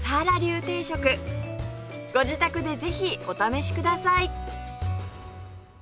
ご自宅でぜひお試しください